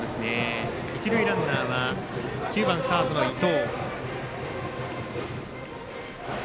一塁ランナーは９番サードの伊藤。